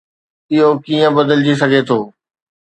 اهو ڪيئن بدلجي سگهي ٿو؟